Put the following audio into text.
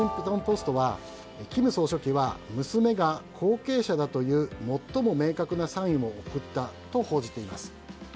アメリカのワシントン・ポストは金総書記は娘が後継者だという最も明確なサインを送ったと報じています。